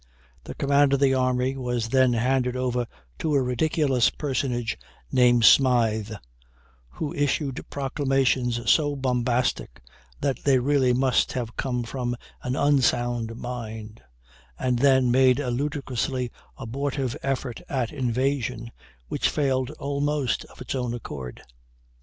The command of the army was then handed over to a ridiculous personage named Smythe, who issued proclamations so bombastic that they really must have come from an unsound mind, and then made a ludicrously abortive effort at invasion, which failed almost of its own accord.